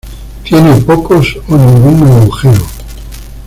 Tiene pocos o ningún agujero.